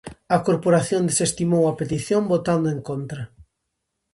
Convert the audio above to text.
A Corporación desestimou a petición votando en contra.